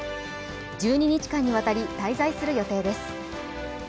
１２日間にわたり、滞在する予定です。